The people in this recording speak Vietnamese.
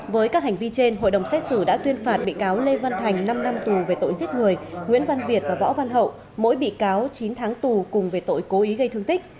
với các hành vi trên hội đồng xét xử đã tuyên phạt bị cáo lê văn thành năm năm tù về tội giết người nguyễn văn việt và võ văn hậu mỗi bị cáo chín tháng tù cùng về tội cố ý gây thương tích